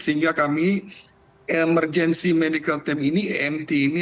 sehingga kami emergency medical time ini emt ini